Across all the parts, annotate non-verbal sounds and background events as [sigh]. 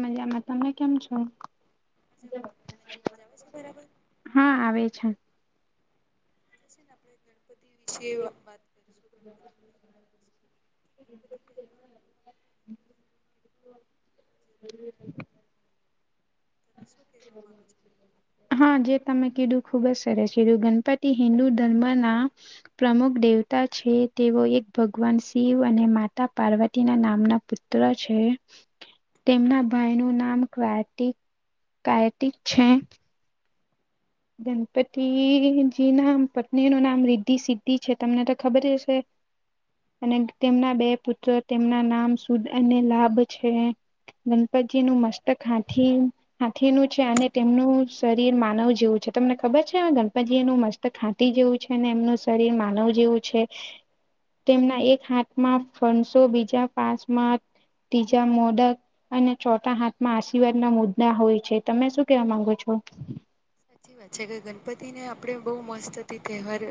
મજામાં તમને કેમ છો [inaudible] હા આવે છે [inaudible] તહેવાર વિશે ગણપતિ તહેવાર આપણા હિન્દુ ધર્મમાં [inaudible] કેટલો જરૂરી તમે શું કહેવા માંગો છો ગણપતિ [inaudible] તહેવાર વિશે? હા જે તમે કીધું ખુબ જ સરસ કીધું ગણપતિ હિન્દુ ધર્મના પ્રમુખ દેવતા છે તેઓ એક ભગવાન શિવ અને માતા પાર્વતીના નામના પુત્ર છે તેમના ભાઈ નું નામ કાર કાર્તિક છે ગણપતિજી ના પત્ની નું નામ રિદ્ધિ સિદ્ધિ છે તમને તો ખબર હશે અને તેમના બે પુત્ર તેમના નામ સુદ અને લાભ છે ગણપતિજી નું મસ્તકે હાથી હાથીનું છે અને તેમનું શરીર માનવ જેવું છે તમને ખબર છે ગણપતિ એનું મસ્ત ખાંટી જેવું છે ને એમનું શરીર માનવ જેવું છે તેમના એક હાથમાં ફણસો બીજા પાસમાં ત્રીજા મોદક અને ચોથા હાથમાં આશીર્વાદ ના મુદ્દા હોય છે તમે શું કેવા માંગો છો સાચી વાત છે કે ગણપતિને આપણે બહુ મસ્તથી તહેવાર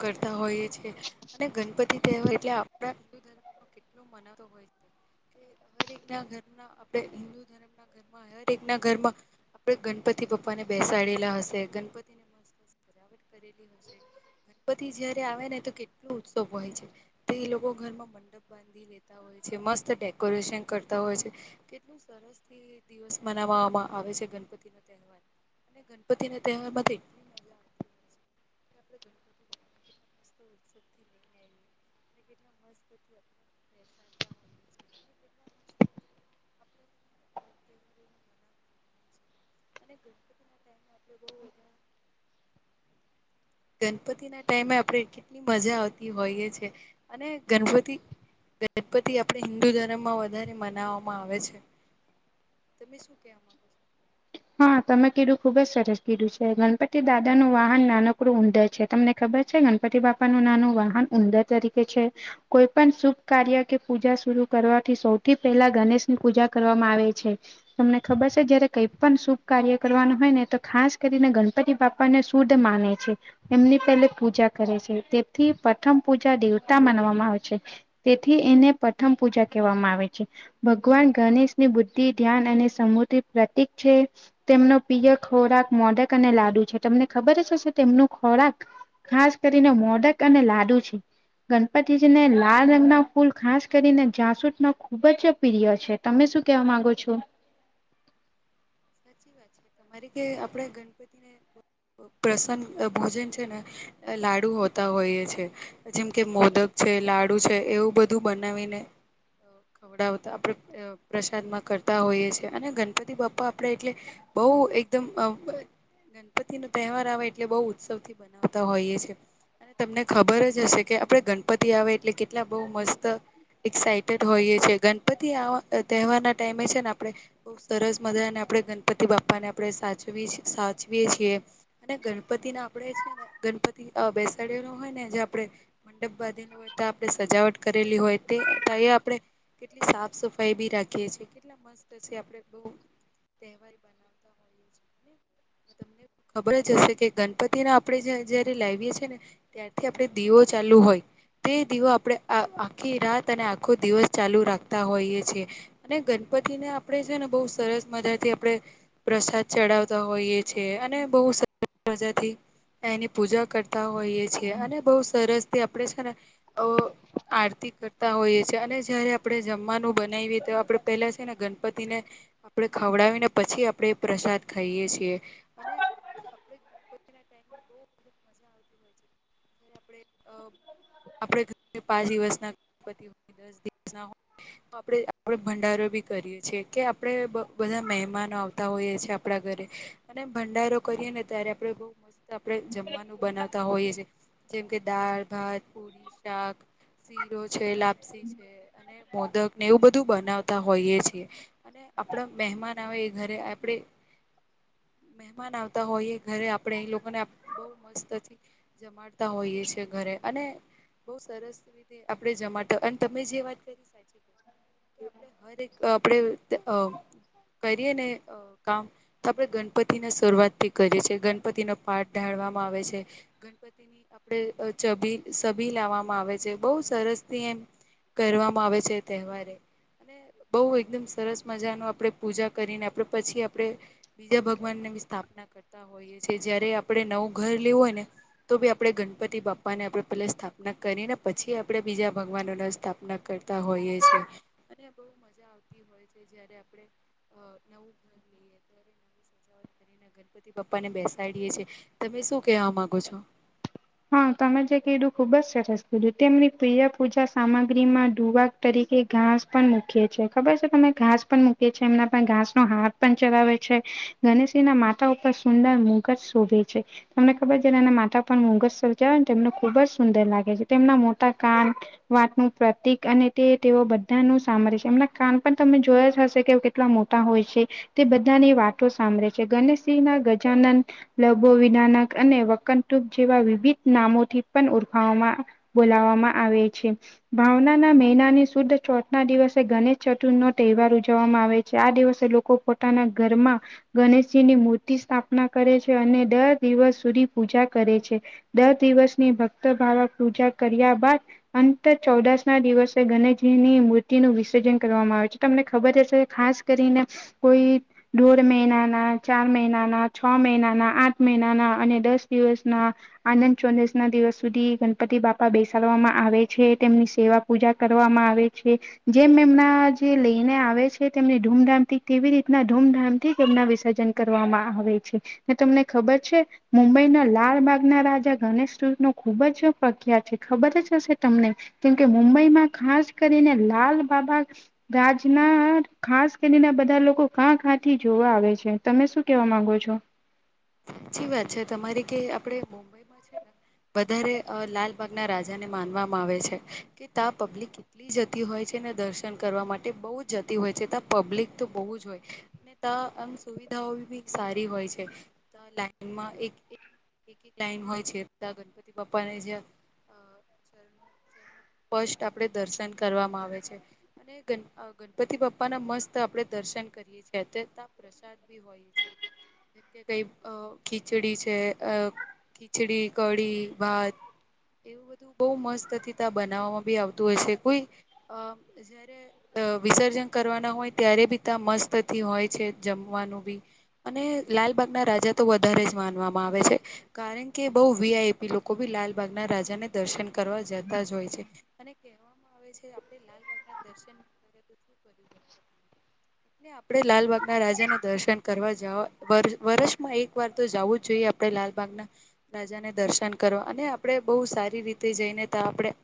કરતા હોઈએ છીએ અને ગણપતિ તહેવાય એટલે આપણા હિન્દુ ધર્મમાં કેટલોું મનાવતો [inaudible] ઘરના આપ હિન્દુ ધર્મ ના હરેક ના ઘરમાં આપડે ગણપતિ બાપા ને બેસાડેયે હશે ગણપતિ [inaudible] ગણપતિ જયારે આવે ને તો કેટલુ ઉત્સવ હોય છે તો એ લોકો ઘરમાં [inaudible] હોય છે મત ડેકોરેશન કરતા હોય છે કેટલ થી દિવસ મનાવવામાં આવે છે ગણપતિ નો તહેવાર બધી ને તેહવાર મા થી આપણે ગણપતિ [inaudible] [inaudible] હોય છે. આપણે ગણપતિ બાપાને કેટલા મસ્ત [inaudible] છીએ. અને ગણપતિ ના ટાઈમ ગણપતિ ના ટાઈમે આપણે કેટલી મજા આવતી હોઈએ છેએ અને ગણપતિ ગણપતિ આપણે હિન્દુ ધર્મમાં વધારે મનાવવામાં આવે છે તમે શું કે હા તમે કીધું ખુબ જ સરસ કીધું છે ગણપતિ દાદા નું વાહન નાનકડું ઊડર છે તમને ખબર છે ગણપતિ બાપાનું નાનું વાહન ઉંદર તરીકે છે કોઈ પણ શુભ કાર્ય કે પૂજા સરુ કરવાથી સૌથી પહેલા ગણેશ ની પૂજા કરવામાં આવે છે તમને ખબર છે જયારે કઈ શુભ કાર્ય કરવાનું હોય ને તો ખાસ કરીને ગણપતિ બાપા ને શુદ્ધ માને છે એમની પહેલે પૂજા કરે છે તેથી પ્રથમ પૂજા દેવતા માનવામાં આવે છે તેથી એને પ્રથમ પૂજા કહેવામાં આવે છે ભગવાન ગણેશની બુદ્ધિ ધ્યાન અને સમૃદ્ધિ પ્રતિક છે. તેમનો પ્રિય ખોરાક મોદક અને લાડુ છે તમને ખબર હ છે હશે તેમનું ખોરાક ખાસ કરીને મોડક અને લાડુ છે. ગણપતિજીને લાલ રંગના ફૂલ ખાસ કરીને જાંસુદ નું ખુબ જ પ્રિય છે. તમે શું કેવા માંગો છો? સાચી વાત છે તમારી કે આપણે ગણપતિને પ્રસન્ન ભોજન છે ને લાડુ હોતા હોઈએ છે. જેમ કે મોદક છે લાડુ છે એવું બધું બનાવીને ખવડાવતા આપણે પ્રસાદમાં કરતા હોઈએ છીએ અને ગણપતિ બાપા આપણે એટલે બહુ એકદમ ગણપતિ નો તહેવાર આવે એટલે બહુ ઉત્સવ થી મનાવતા હોઈએ છે. અને તમને ખબર જ હશે કે આપડે ગણપતિ આવે એટલે કેટલા બહું મસ્ત એક્સાઈટેડ હોઈએ છેએ ગણપતિ તહેવાર ના ટાઈમે છે ને આપણે ખુબ સરસ મજા અને આપણે ગણપતિ બાપાને આપણે સાચવી સાચવીએ છીએ અને ગણપતિના આપણે છે. ગણપતિ બેસાડ ન હોય ને જે આપડે મંડપ બાંધેલો હોય તો આપણે સજાવટ કરેલી હોય તે તહી આપણે કેટલી સાફ સફાઈ બી રાખીએ છીએ કેટલા મસ્ત છે આપડે બ તહેવાર બનાવતા હોઈએ. [inaudible] તમને ખબર જ હશે કે ગણપતિને આપણે જયારે લાવીએ છીએ ને ત્યારથી આપે દીવો ચાલુ હોય. તે દીવો આપણે આખી રાત અને આખો દિવસ ચાલુ રાખતા હોઈએ છેએ અને ગણપતિ ને આપડે છે ને બહુ સરસ મજાથી આપણે પ્રસાદ ચડાવતા હોઈએ છ. છેએ અને બહુ મજાથી એની પૂજા કરતા હોઈએ છેએ અને બહુ સરસ થી આપણે છે ને આરતી કરતા હોઈએ છે અને જયારે આપણે જમવાનું બનાવીએ તો આપડે પેલા છે ને ગણપતિને આપણે ખવડાવીને પછી આપડણે પ્રસાદ ખાઈએ છીએ અને [unintelligible] મજા આવતી હોય છે. આપડે પાંચ દિવસ ના ગણપતિ હોય દસ દિવસ ના હોય તો આપણે આપડ ભંડારો બી કરીએ છીએ કે આપડણે બધા મહેમાનો આવતા હોઈએ છે આપણા ઘરે અને ભંડારો કરીએ ને ત્યારે આપડે બહૂં મસ્ત આપણે જમવાનું બનાવતા હોઈએ છીએ જેમ કે દાળ ભાત પૂરી શાક શીરો છે લાપસી છે અને મોદક ને એવું બધું બનાવતા હોઈએ છીએ. અને આપણા મહેમાન આવે એ ઘરે આપડે મહેમાન આવતા હોય એ ઘરે આપણે એ લોકોને બહું મસ્તથી જમાડ હોઈએ છે ઘરે અને બહું સરસ રીતે આપણે જમાડતા અને તમે જે વાત કરી કે આપડે કરીએ ને કામ તો આપણેે ગણપતિ ના શરૂઆતથી કરે છે ગણપતિનો પાઠ ઢાળવામાં આવે છે ગણપતિની આપ ચબી સબી લાવવામાં આવે છે બહુ સરસ થી એમ કરવામાં આવે છે એ તહેવારે અને બહુ એકદમ સરસ મજા ન આપણે પૂજા કરીને આપણે પછી આપડણે બીજા ભગવાન ને બી સ્થાપના કરતા હોઈએ છે, જયારે આપડણે નવું ઘર લેવું હોય ને તો બી આપણે ગણપતિ બાપાને આપણેે પહેલા સ્થાપના કરીને પછી આપણે બીજા ભગવાનો ને સ્થાપના કરતા હોઈએ છેએ અને બહું મજા આવતી હોય છે જારે આપણે [inaudible] રીને ગણપતિ પપ્પા ને બેસાડીએે છે, તમે શું કેવા માંગો છો? હા તમે જે કીધું ખુબ જ સરસ કીધું તેમની પ્રિય પૂજા સામગ્રીમાં ડુવા તરીકે ઘાસ પણ મૂકી છે ખબર છે તમે ઘાસ પણ મૂકી છી એમના પણ ઘાસ નો હાથ પણ ચલાવે છે, ગણેશજી ના માતા ઉપર સુંદર મુગજ શોધે છે. તમને ખબર છે એના માતા પણ મુગસરજાવ ને તેમને ખુબ જ સુંદર લાગે છે, તેમના મોટા કાન વાતનું પ્રતિક અને તે તેઓ બધાનું સામર છે એમના કાન પણ તમે જોયા જ હશે કે કેટલા મોટા હોય છે તે બધાની વાતો સાંભળે છે ગણેશજી ના ગજાનન લાભો વિનાનક અને વકટુક જેવા વિવિધ નામોથી પણ ઓળખાવામાં બોલાવામાં આવે છે. ભાવના ના મહિનાની શુદ્ધ ચોથ ના દિવસે ગણેશ ચતુર્થ નો તહેવાર ઉજવવામાં આવે છે, આ દિવસે લોકો પોત પોતાના ઘરમાં ગણેશજીની મૂર્તિ સ્થાપના કરે છે અને દર દિવસ સુધી પૂજા કરે છે. દસ દિવસની ભક્ત ભાવ પૂજા કર્યા બાદ અંત ચૌદશ ના દિવસે ગણેશજીની મૂર્તિનું વિસર્જન કરવામાં આવે છે. તમને ખબર હશે ખાસ કરીને કોઈ દોઢ મહિનાના, ચાર મહિનાના, છ મહિનાના, આઠ મહિનાના અને દસ દિવસના આનંદ ચોદસ ના દિવસ સુધી ગણપતિ બાપા બેસાડવામાં આવે છે, તેમની સેવા પૂજા કરવામાં આવે છે. જેમ એમના જે લઈને આવે છે તેમની ધૂમધામથી કેવી રીતના ધૂમધામથી તેમના વિસર્જન કરવામાં આવે છે ને તમને ખબર છે મુંબઈ ના લાલબાગ ના રાજ ગણેશ નો ખુબ જ પ્રખ્યા છે, ખબર જ હશે તમને? કેમકે મુંબઈમાં ખાસ કરીને લાલ બાબા રાજના ખાસ કરી ના બધા લોકો કાં કાં થી જોવા આવે છે તમે શું કેવા માંગો છો? સાચી વાત છે તમારી, કે આપડે મુ વધારે લાલબાગના રાજા ને માનવામાં આવે છે કે તા પબ્લિક એટલી જતી હોય છે ને દર્શન કરવા માટે બહુ જ જતી હોય છેતાં પબ્લિક તો બહુ જ હોય. ત આમ સુવિધાઓ બી સારી હોય છે. લાઈનમાં એક એક લાઈન હોય છે રતા ગણપતિ બાપ્પા ને જે હમ સ્પષ્ટ આપણે દર્શન કરવામાં આવે છે અને ગન ગણપતિ બાપા ના મસ્ત આપડણે દર્શન કરીએ છીએ, પ્રસાદ બી હોય. હોય છે, જેમકે કઈ અ ખીચડી છે અ ખીચડી, કઢી, ભાત એવું બધું બહ મસ્ત થી તા બનાવવામાં બી આવતું હોય છે કોઈ અ જ્યા રે વિસર્જન કરવાના હોય ત્યારે બી ત્યાં મસ્તથી હોય છે જમવાનું બી. અને લાલબાગના રાજા તો વધારે જ માનવામાં આવે છે. કારણ કે બહુ વી આઈ પી લોકો બી લાલબાગના રાજાને દર્શન કરવા જતા જ હોય છે. અને કહેવામાં આવે છે આપડે લાલબાગના દર્શન તો શું કર્યું ગણપતિ? આપડે લાલબાગ ના રાજાને દર્શન કરવા જવા વર વર્ષમાં એક વાર તો જવું જ જોઈએ આપડે લાલબાગના રાજાને દર્શન કરો અને આપણે બહુ સારી રીતે જઈને તા આપણે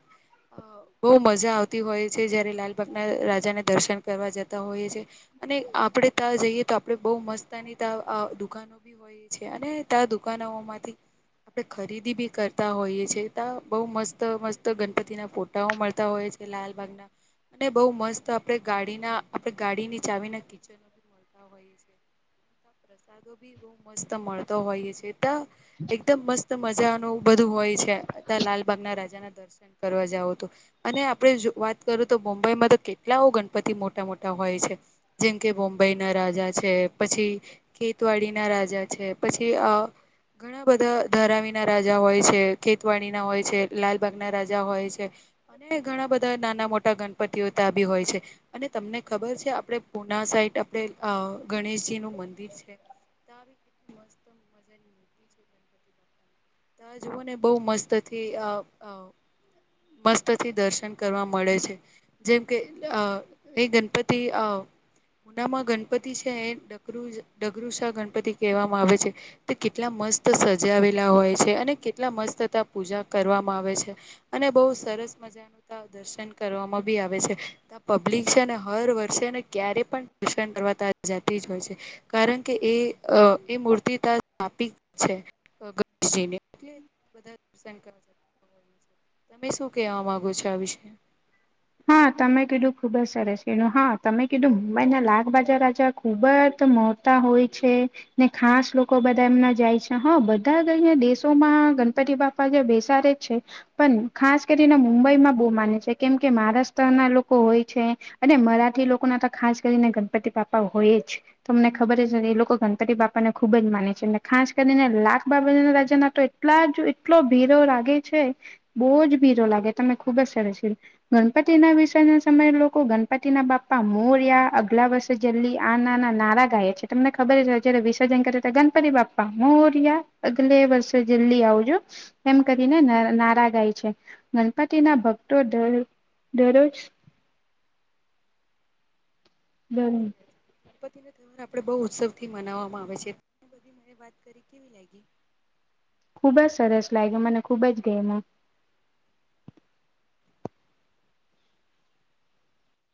બહુ મજા આવતી હોય છે, જયારે લાલબાગના રાજાને દર્શન કરવા જતા હોય છે. અને આપડે ત્યાં જઈએ તો આપડે બહ મસ્તની ત્યા અ દુકાનો બી હોય છે અને તા દુકાનો માંથી આપણે ખરીદી બી કરતા હોઈએ છીએ. ત્યા બહુ મસ્ત મસ્ત ગણપતિના ફોટાઓ મળતા હોય લાલબાગ ના અને બઉ મસ્ત આપણે ગાડીના આપણે ગાડીની ચાવી ના કિચ તા હોય છે. પ્રસાદો બી બહ મસ્ત મળતો હોઈ છે ત એકદમ મસ્ત મજાનો બધું હોય છે આ લાલબાગના રાજા ના દર્શન કરવા જાવ તો. અને આપણેે જો વાત કરું તો મુંબઈમાં તો કેટલાઓ ગણપતિ મોટા મોટા હોય છે. જેમ કે બોમ્બઈ ના રાજા છે પછી ખેતવાડી ના રાજા છે પછી અ ઘણા બધા ધારાવીના રાજા હોય છે ખેતવાડી ના હોય છે લાલબાગના રાજા હોય છે. અને ઘણા બધા નાના મોટા ગણપતિઓ ત બી હોય છે. અને તમને ખબર છે આપડે પુના સાઈડ આપણે અ ગણેશજી નું મંદિર છે. ત જુઓ ને બહ મસ્ત થી આ અ. મસ્ત થી દર્શન કરવા મળે છે જેમ કે અ એ ગણપતિ અ પુનામાં ગણપતિ છે એ ડગ ડગરુસા ગણપતિ કહેવામાં આવે છે. તે કેટલા મસ્ત સજાવેલા હોય છે અને કેટલા મસ્ત ત્યા પૂજા કરવામાં આવે છે અને બહુ સરસ મજા ન ત દર્શન કરવામાં બી આવે છે પબ્લિક છે ને હર વર્ષેને ક્યારે પણ ટ્યુશન કરવાતા જતી જ હોય છે કારણ કે એ એ અ મૂર્તિ ત સ્થપિક છે ગણેશજી ની એટ બધા [unintelligible] છે. તમે શું કેહેવા માંગો છો આ વિશે? હા તમે કીધું ખુબ જ સરસ એનું હા તમે કીધું મુંબઈના લખબજાર રાજા ખુબ જ મો હોય છે. ને ખાસ લોકો બધા એમના જાય છે હા બધા જ અહં દેશોમાં ગણપતિ બાપ બેસારે છે પણ ખાસ કરીને મુંબઈમાં બહુ માને છે કેમ? મહારાષ્ટ્ર ના લોકો હોય છે અને મરાઠી લોકો ના તો ખાસ કરીને ગણપતિ બાપા હોય જ તમને ખબર છે ને એ લોકો ગણપતિ બાપાને ખૂબ જ માને છે અને ખાસ કરીને લાખ બાબાના રાજા ના તો એટલા જો એટલો ભીરો લાગે છે બહુજ ભીરો લાગે તને ખુબ જ સરસી ગણપતિ ના વિષયના સમયે લોકો ગણપતિના બાપા મોરિયા અગલા વર્ષ જલ્દી આના નારા ગાય છે તમને ખબર હ જયારે વિસર્જન કરે તો ગણપતિ બાપા મોરિયા અગલે વર્ષે જલ્દી આવજો એમ કરીને ના નારા ગાય છે ગણપતિ ના ભક્તો દ દરરોજ દન ગણપતિ ને આપણે બહુ ઉત્સવ થી મનાવવામાં આવે છે બધ [unintelligible] વાત કરી કેવી લાગી ખુબ જ સરસ લાગ્યો મને ખુબ જ ગયમો